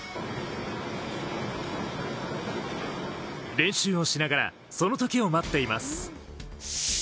練習をしながら、その時を待っています。